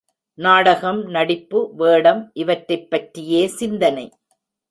நாடகம், நடிப்பு, வேடம் இவற்றைப்பற்றியே சிந்தனை.